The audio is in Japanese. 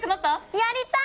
やりたい！